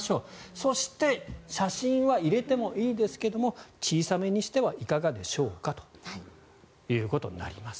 そして写真は入れてもいいですけど小さめにしてはいかがでしょうかということになります。